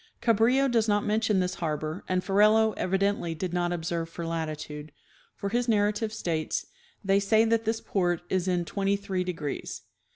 Cabrillo does not mention this harbor, and Ferrelo evidently did not observe for latitude, for his narrative states, " they say that this port is in twenty three degrees."